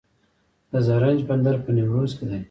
د زرنج بندر په نیمروز کې دی